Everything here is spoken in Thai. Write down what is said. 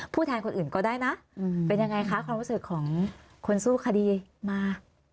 แทนคนอื่นก็ได้นะเป็นยังไงคะความรู้สึกของคนสู้คดีมา